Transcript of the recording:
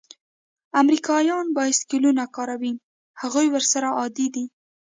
امریکایان بایسکلونه کاروي؟ هغوی ورسره عادي دي.